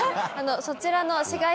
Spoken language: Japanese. そちらの。